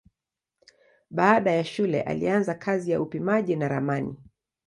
Baada ya shule alianza kazi ya upimaji na ramani.